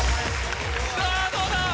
さぁどうだ？